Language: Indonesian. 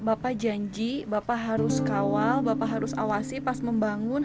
bapak janji bapak harus kawal bapak harus awasi pas membangun